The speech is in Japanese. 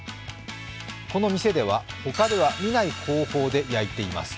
この店では他では見ない方法で焼いています。